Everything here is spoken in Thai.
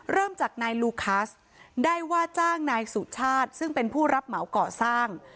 เริ่มจากนายลูคัสได้ว่าจ้างนายสุชาติซึ่งเป็นผู้รับเหมาก่อสร้าง